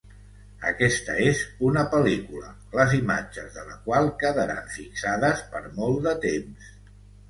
Aquesta és una pel·lícula, les imatges de la qual quedaran fixades per molt de temps.